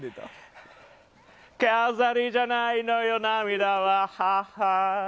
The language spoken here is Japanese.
飾りじゃないのよ涙はハッハ。